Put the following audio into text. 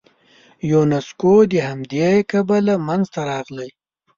یونسکو د همدې کبله منځته راغلی.